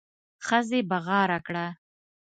ښځې بغاره کړه.